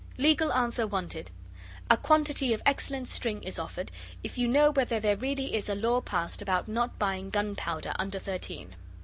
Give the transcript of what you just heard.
LEGAL ANSWER WANTED. A quantity of excellent string is offered if you know whether there really is a law passed about not buying gunpowder under thirteen.